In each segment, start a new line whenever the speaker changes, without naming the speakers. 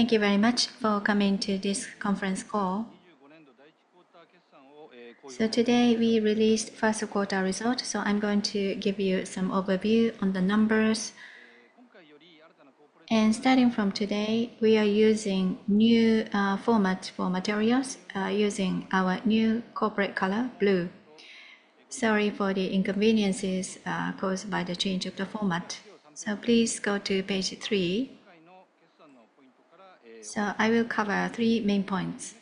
Thank you very much for coming to this conference call. Today we released the first quarter results, so I'm going to give you some overview on the numbers. Starting from today, we are using new formats for materials, using our new corporate color, blue. Sorry for the inconveniences caused by the change of the format. Please go to page three. I will cover three main points.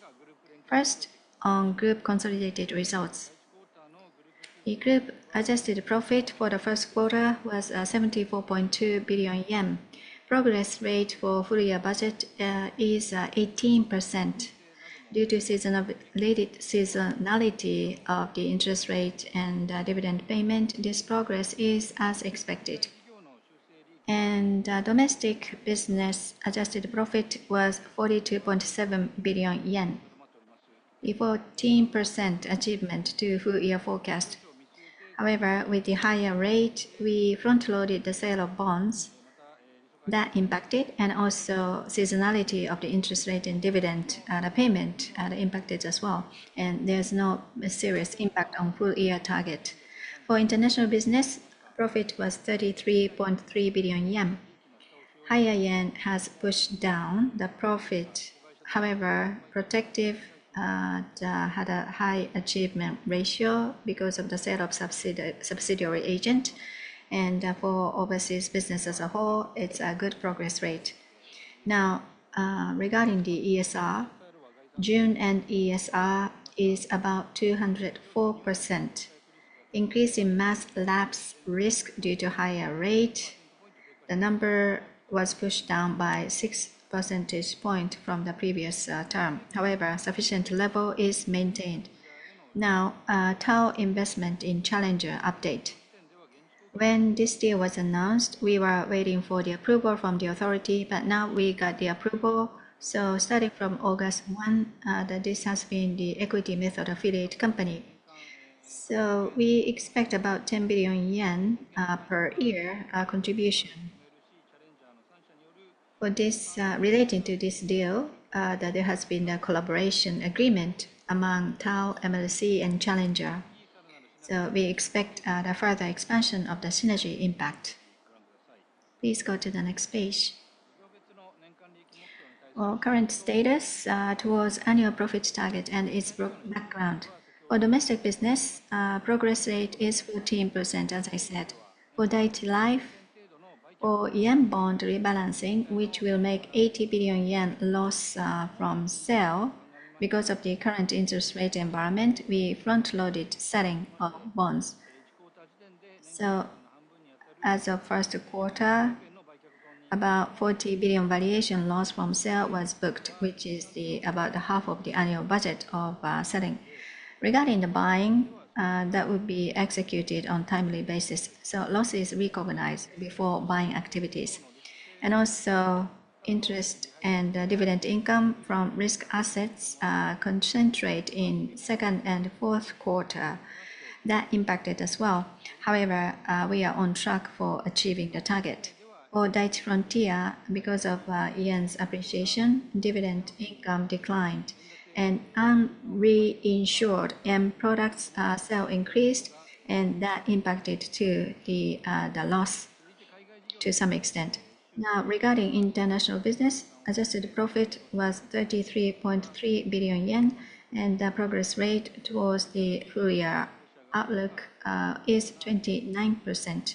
First, on group consolidated results. The group adjusted profit for the first quarter was 74.2 billion yen. The progress rate for the full-year budget is 18%. Due to the seasonality of the interest rate and dividend payment, this progress is as expected. The domestic business adjusted profit was 42.7 billion yen, a 14% achievement to the full-year forecast. However, with the higher rate, we front-loaded the sale of bonds. That impacted, and also the seasonality of the interest rate and dividend payment impacted as well. There's no serious impact on the full-year target. For international business, the profit was 33.3 billion yen. Higher yen has pushed down the profit. However, Protective had a high achievement ratio because of the sale of subsidiary agents. For overseas business as a whole, it's a good progress rate. Now, regarding the ESR, the June end ESR is about 204%. Increasing mass lapse risk due to a higher rate, the number was pushed down by 6 percentage points from the previous term. However, a sufficient level is maintained. Now, a Tao investment in Challenger update. When this deal was announced, we were waiting for the approval from the authority, but now we got the approval. Starting from August 1, this has been the equity-method affiliate company. We expect about 10 billion yen per year contribution. For this, relating to this deal, there has been a collaboration agreement among Tao, MLC, and Challenger. We expect the further expansion of the synergy impact. Please go to the next page. Our current status towards the annual profit target and its background. For domestic business, the progress rate is 14%, as I said. For Dai-ichi Life Holdings' yen bond rebalancing, which will make 80 billion yen loss from sale because of the current interest rate environment, we front-loaded selling of bonds. As of the first quarter, about 40 billion valuation loss from sale was booked, which is about half of the annual budget of selling. Regarding the buying, that will be executed on a timely basis. Losses recognized before buying activities. Interest and dividend income from risk assets concentrate in the second and fourth quarters. That impacted as well. However, we are on track for achieving the target. For Dai-ichi Frontier, because of yen's appreciation, dividend income declined. Unreinsured yen products' sale increased, and that impacted the loss to some extent. Now, regarding international business, the adjusted profit was 33.3 billion yen, and the progress rate towards the full-year outlook is 29%.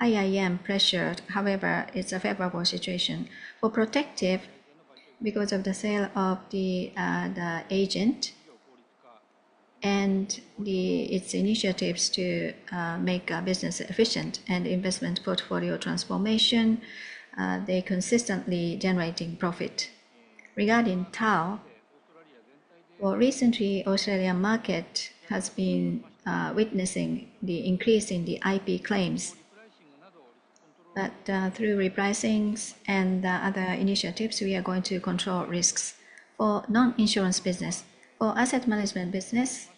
Higher yen pressure, however, is a favorable situation. For Protective Life Corporation, because of the sale of the agent and its initiatives to make business efficient and investment portfolio transformation, they are consistently generating profit. Regarding Tao, recently, the Australian market has been witnessing the increase in the IP claims. Through repricing and other initiatives, we are going to control risks. For non-insurance business, for asset management business,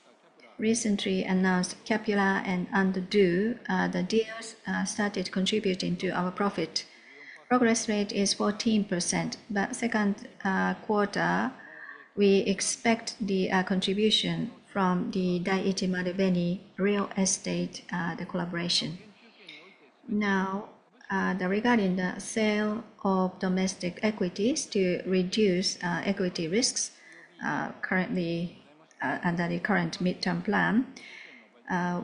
recently announced Capula Investment Management and Underdo, the deals started contributing to our profit. The progress rate is 14%. In the second quarter, we expect the contribution from the Dai-ichi Marubeni Real Estate collaboration. Now, regarding the sale of domestic equities to reduce equity risks, currently under the current midterm plan,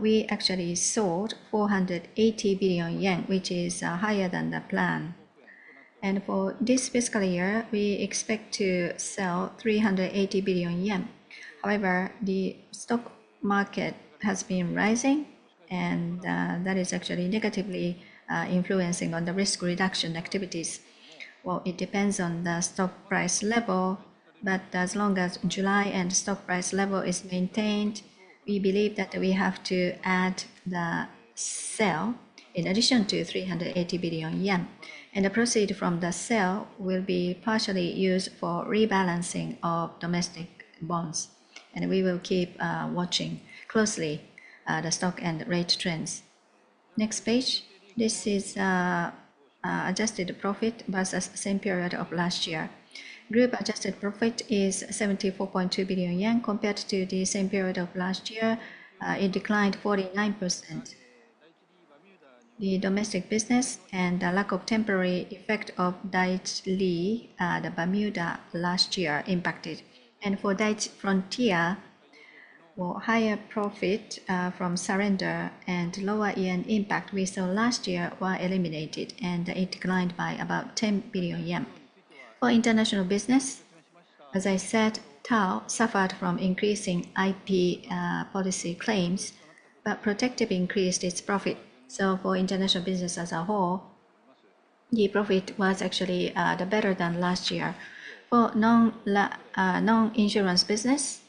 we actually sold 480 billion yen, which is higher than the plan. For this fiscal year, we expect to sell 380 billion yen. The stock market has been rising, and that is actually negatively influencing the risk reduction activities. It depends on the stock price level, but as long as July end stock price level is maintained, we believe that we have to add the sale in addition to 380 billion yen. The proceeds from the sale will be partially used for rebalancing of domestic bonds. We will keep watching closely the stock and rate trends. Next page. This is adjusted profit versus the same period of last year. The group adjusted profit is 74.2 billion yen. Compared to the same period of last year, it declined 49%. The domestic business and the lack of temporary effect of Dai-ichi Life Insurance Company Limited, the Bermuda, last year impacted. For Dai-ichi Frontier, higher profit from surrender and lower yen impact we saw last year were eliminated, and it declined by about 10 billion yen. For international business, as I said, Tao suffered from increasing IP policy claims, but Protective Life Corporation increased its profit. For international business as a whole, the profit was actually better than last year. For non-insurance business,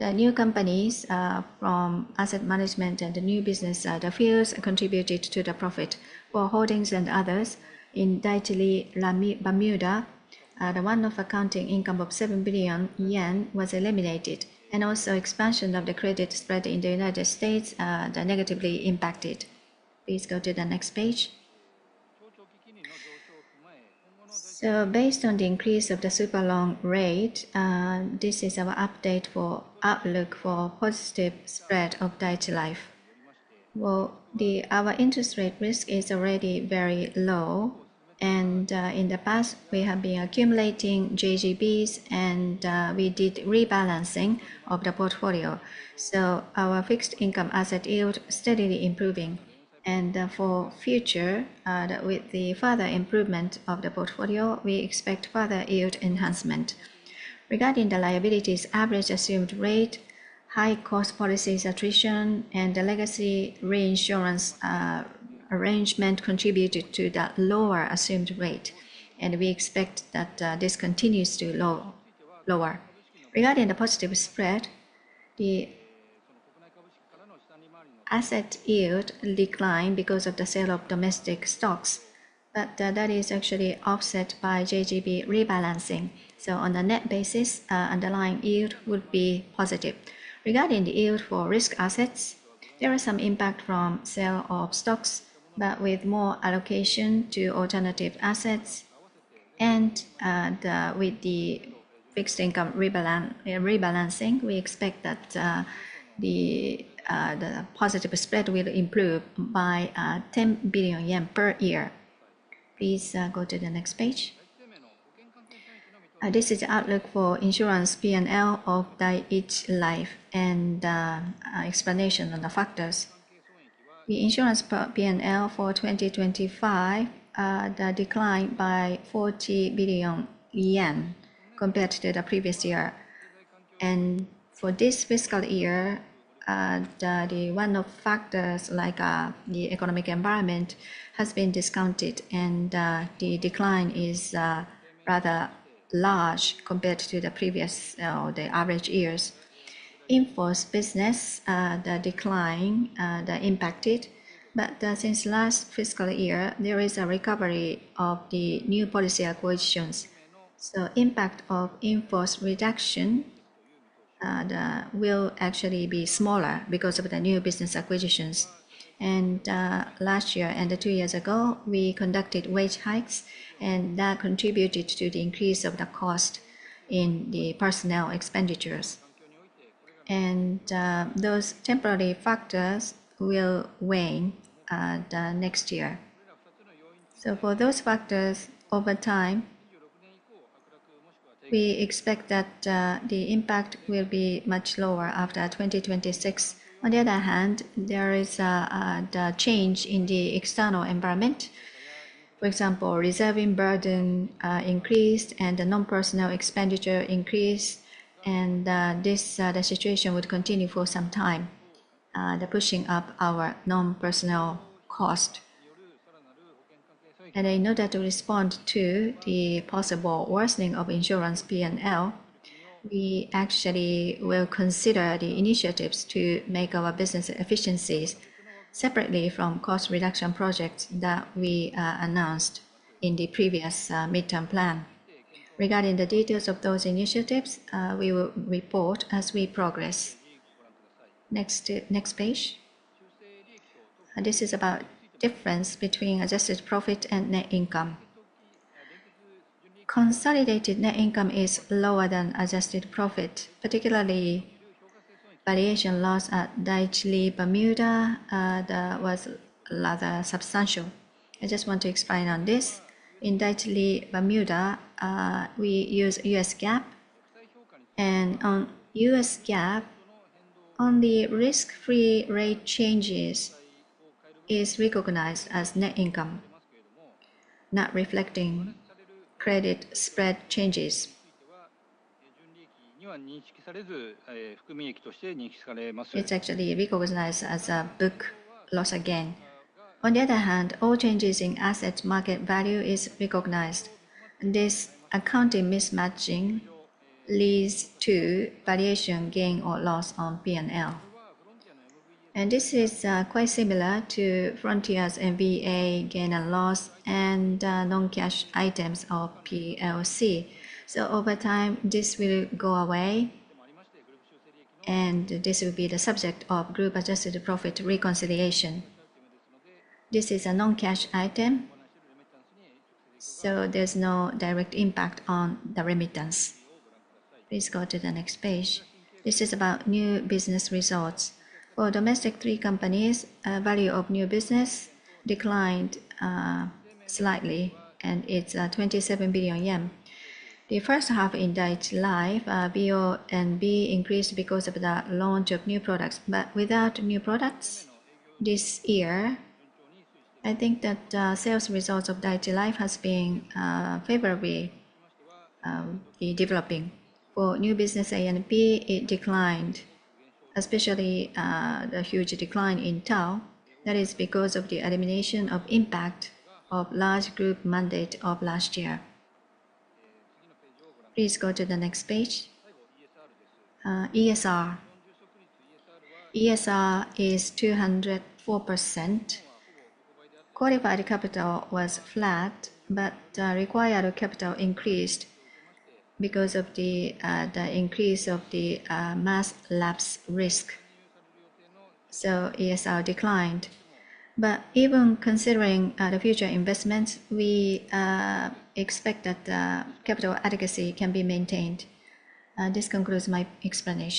the new companies from asset management and the new business, the fields contributed to the profit. For Holdings and others, in Dai-ichi Life Bermuda, the one-off accounting income of 7 billion yen was eliminated. Also, expansion of the credit spread in the United States negatively impacted. Please go to the next page. Based on the increase of the super long rate, this is our update for outlook for the positive spread of Dai-ichi Life. Our interest rate risk is already very low. In the past, we have been accumulating JGBs, and we did rebalancing of the portfolio. Our fixed income asset yield is steadily improving. For the future, with the further improvement of the portfolio, we expect further yield enhancement. Regarding the liabilities' average assumed rate, high-cost policy attrition and the legacy reinsurance arrangement contributed to the lower assumed rate. We expect that this continues to lower. Regarding the positive spread, the asset yield declined because of the sale of domestic stocks. That is actually offset by JGB rebalancing. On a net basis, the underlying yield would be positive. Regarding the yield for risk assets, there is some impact from the sale of stocks, but with more allocation to alternative assets. With the fixed income rebalancing, we expect that the positive spread will improve by 10 billion yen per year. Please go to the next page. This is the outlook for insurance P&L of Dai-ichi Life and explanation on the factors. The insurance P&L for 2025 declined by 40 billion yen compared to the previous year. For this fiscal year, the one-off factors like the economic environment have been discounted, and the decline is rather large compared to the previous or the average years. Invoice business, the decline impacted. Since last fiscal year, there is a recovery of the new policy acquisitions. The impact of invoice reduction will actually be smaller because of the new business acquisitions. Last year and two years ago, we conducted wage hikes, and that contributed to the increase of the cost in the personnel expenditures. Those temporary factors will wane next year. For those factors, over time, we expect that the impact will be much lower after 2026. On the other hand, there is a change in the external environment. For example, reserving burden increased and the non-personnel expenditure increased. This situation would continue for some time, pushing up our non-personnel cost. In order to respond to the possible worsening of insurance P&L, we actually will consider the initiatives to make our business efficiencies separately from cost reduction projects that we announced in the previous midterm plan. Regarding the details of those initiatives, we will report as we progress. Next page. This is about the difference between adjusted profit and net income. Consolidated net income is lower than adjusted profit, particularly valuation loss at Dai-ichi Life, Bermuda, that was rather substantial. I just want to explain on this. In Dai-ichi Life, Bermuda, we use U.S. GAAP. On U.S. GAAP, only risk-free rate changes are recognized as net income, not reflecting credit spread changes. It's actually recognized as a book loss again. On the other hand, all changes in asset market value are recognized. This accounting mismatching leads to valuation gain or loss on P&L. This is quite similar to Frontier's MBA gain and loss and non-cash items of PLC. Over time, this will go away. This will be the subject of group adjusted profit reconciliation. This is a non-cash item, so there's no direct impact on the remittance. Please go to the next page. This is about new business results. For domestic three companies, the value of new business declined slightly, and it's 27 billion yen. The first half in Dai-ichi Life, BO and B increased because of the launch of new products. Without new products this year, I think that the sales results of Dai-ichi Life have been favorably developing. For new business A and B, it declined, especially the huge decline in Tao. That is because of the elimination of impact of large group mandate of last year. Please go to the next page. ESR. ESR is 204%. Qualified capital was flat, but the required capital increased because of the increase of the mass lapse risk. ESR declined. Even considering the future investments, we expect that the capital adequacy can be maintained. This concludes my explanation.